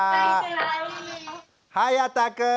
はやたくん。